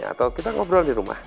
atau kita ngobrol di rumah